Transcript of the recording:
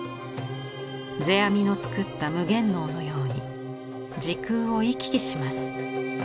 世阿弥の作った夢幻能のように時空を行き来します。